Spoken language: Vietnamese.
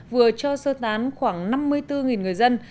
vừa cho sơ tán khoảng năm mươi bốn người dân